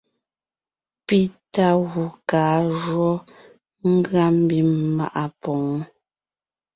Pi tá gù kaa jǔɔ ngʉa mbím maʼa pwoon.